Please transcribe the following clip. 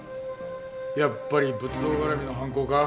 やっぱり仏像絡みの犯行か？